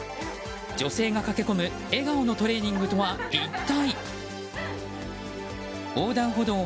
女性が駆け込む笑顔のトレーニングとは一体？